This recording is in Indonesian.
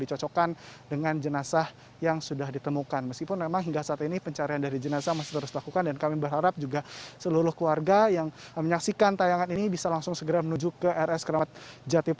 oke terima kasih